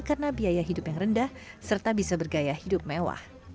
karena biaya hidup yang rendah serta bisa bergaya hidup mewah